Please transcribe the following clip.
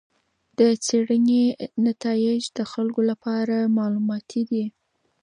د څېړنې نتایج د خلکو لپاره معلوماتي دي.